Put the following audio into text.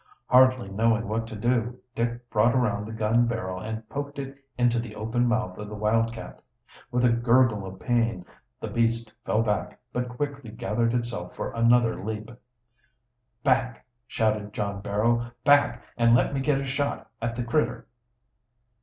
Hardly knowing what to do, Dick brought around the gun barrel and poked it into the open mouth of the wildcat. With a gurgle of pain the beast fell back, but quickly gathered itself for another leap. "Back!" shouted John Barrow. "Back, and let me git a shot at the critter!"